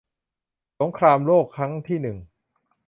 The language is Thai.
สงครามโลกครั้งที่หนึ่ง